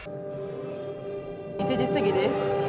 １時過ぎです。